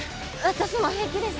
私も平気です